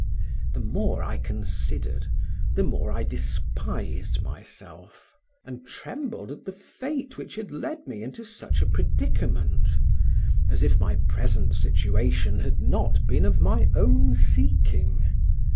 The more I considered, the more I despised myself, and trembled at the fate which had led me into such a predicament, as if my present situation had not been of my own seeking.